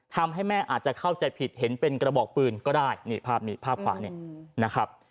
ทำให้แม่อาจจะเข้าใจผิดเห็นเป็นกระบอกปืนก็ได้นี่ภาพนี้ภาพขวาเนี่ยนะครับ